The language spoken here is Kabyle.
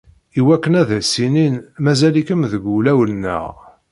Iwakken ad as-inin mazal-ikem deg wulawen-nneɣ.